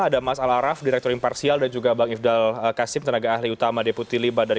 ada mas al araf direktur imparsial dan juga bang ifdal kasim tenaga ahli utama deputi liba dari